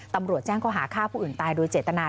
ตำรวจแจ้งเขาหาฆ่าผู้อื่นตายโดยเจตนา